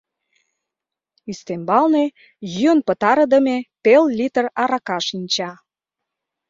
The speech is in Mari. Ӱстембалне йӱын пытарыдыме пел литр арака шинча.